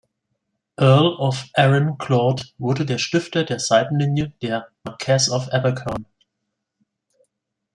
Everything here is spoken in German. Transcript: Earl of Arran, Claude wurde der Stifter der Seitenlinie der "Marquess of Abercorn".